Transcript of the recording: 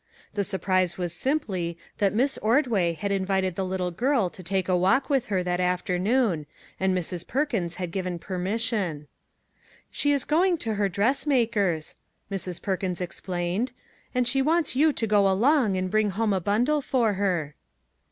The surprise was simply that Miss Ordway had invited the little girl to take a walk with her that afternoon, and Mrs. Perkins had given permission. " She is going to her dressmaker's," Mrs. Perkins explained, " and she wants you to go along and bring home a bundle for her."